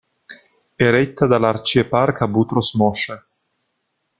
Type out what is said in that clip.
È retta dall'arcieparca Boutros Moshe.